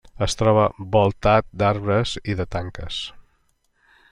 Es troba voltat d'arbres i de tanques.